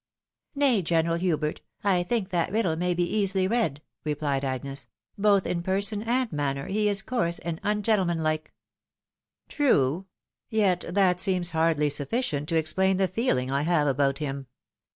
" Nay, General Hubert, I think that riddle may be easily read," repUed Agnes ;" both in person and manner he is coarse and ungentlemanlike." " True ! yet that seems hardly suiRcient to explain the feeling I have about him.